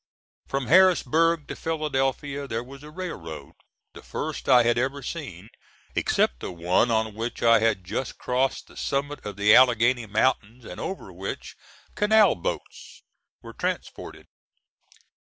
From Harrisburg to Philadelphia there was a railroad, the first I had ever seen, except the one on which I had just crossed the summit of the Alleghany Mountains, and over which canal boats were transported.